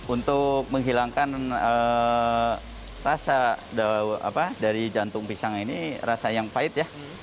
untuk menghilangkan rasa dari jantung pisang ini rasa yang pahit ya